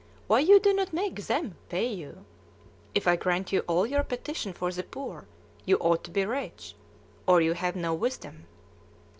Why you do not make them pay you? If I grant you all your petition for the poor, you ought to be rich, or you have no wisdom."